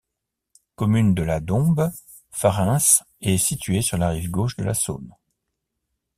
Commune de la Dombes, Fareins est située sur la rive gauche de la Saône.